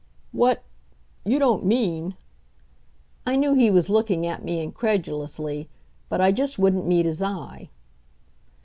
"What? you don't mean " I knew he was looking at me incredulously, but I just wouldn't meet his eye.